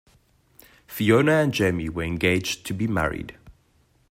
Fiona and Jamie were engaged to be married.